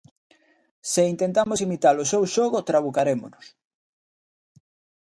Se intentamos imitar o seu xogo trabucarémonos.